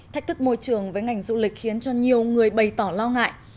thách thức môi trường với ngành du lịch khiến cho nhiều người bày tỏ lo ngại